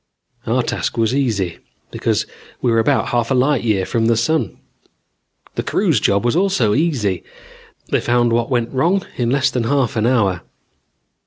Our task was easy, because we were about half a light year from the sun. The crew's job was also easy: they found what went wrong in less than half an hour.